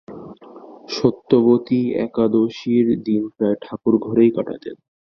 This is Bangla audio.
সত্যবতী একাদশীর দিন প্রায় ঠাকুরঘরেই কাটাতেন।